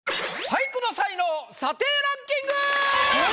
俳句の才能査定ランキング！